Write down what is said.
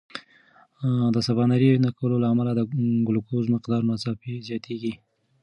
د سباناري نه کولو له امله د ګلوکوز مقدار ناڅاپه زیاتېږي.